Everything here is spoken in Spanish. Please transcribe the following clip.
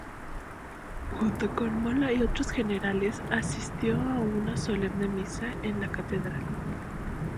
Junto con Mola y otros generales, asistió a una solemne misa en la catedral.